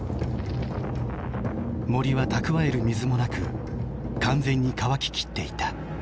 森は蓄える水もなく完全に乾ききっていた。